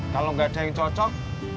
kalau nggak ada yang cocok